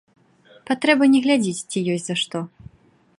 Патрэба не глядзіць, ці ёсць за што.